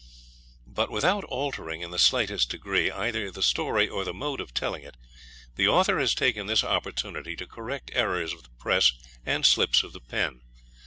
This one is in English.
But without altering, in the slightest degree, either the story or the mode of telling it, the Author has taken this opportunity to correct errors of the press and slips of the pen.